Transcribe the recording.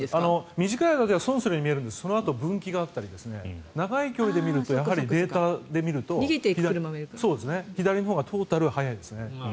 短い間では損するように見えるんですがそのあと分岐があったり長い距離で見るとデータで見ると左のほうがトータル早いですね。